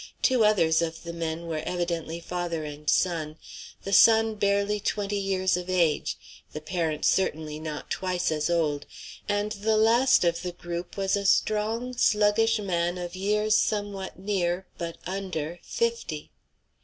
Two others of the men were evidently father and son, the son barely twenty years of age, the parent certainly not twice as old; and the last of the group was a strong, sluggish man of years somewhat near, but under, fifty.